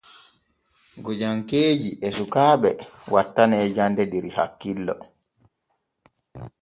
Gojankeeji e sukaaɓe wattanee jande der hakkillo.